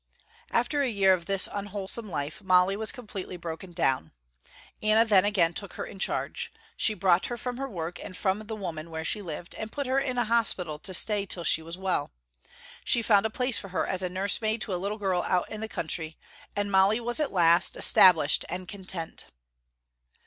After a year of this unwholesome life, Molly was completely broken down. Anna then again took her in charge. She brought her from her work and from the woman where she lived, and put her in a hospital to stay till she was well. She found a place for her as nursemaid to a little girl out in the country, and Molly was at last established and content.